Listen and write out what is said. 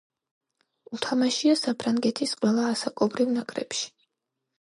უთამაშია საფრანგეთის ყველა ასაკობრივ ნაკრებში.